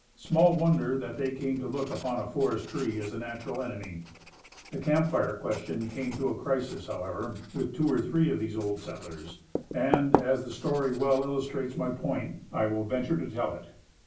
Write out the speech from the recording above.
Small wonder that they came to look upon a forest tree as a natural enemy. The camp fire question came to a crisis, however, with two or three of these old settlers. And, as the story well illustrates my point, I will venture to tell it.